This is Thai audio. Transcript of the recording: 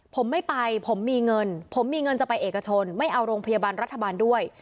ผมไม่ไปผมมีเงินผมมีเงินจะไปเอกชนไม่เอาโรงพยาบาลรัฐบาลด้วย